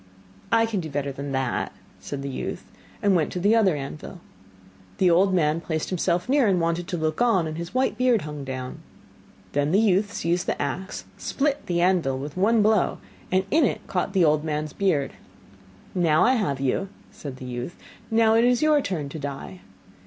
'I can do better than that,' said the youth, and went to the other anvil. The old man placed himself near and wanted to look on, and his white beard hung down. Then the youth seized the axe, split the anvil with one blow, and in it caught the old man's beard. 'Now I have you,' said the youth. 'Now it is your turn to die.